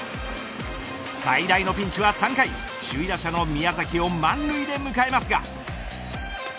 最大のピンチは３回首位打者の宮崎を満塁で迎えますが。